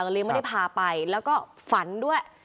เลี้ยงไม่ได้พาไปแล้วก็ฝันด้วย